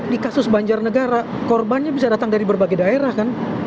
di kasus banjarnegara korbannya bisa datang dari berbagai daerah kan